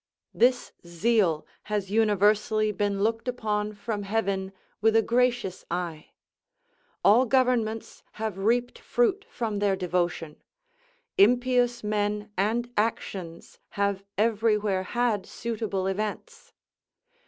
This zeal has universally been looked upon from heaven with a gracious eye. All governments have reaped fruit from their devotion; impious men and actions have everywhere had suitable events.